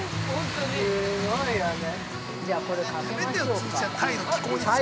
すごいわね。